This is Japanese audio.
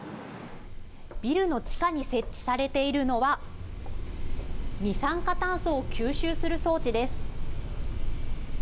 ビルの地下に設置されているのは二酸化炭素を吸収する装置です。